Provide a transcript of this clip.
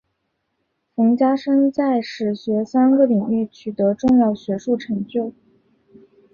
冯家升在史学三个领域取得重要学术成就。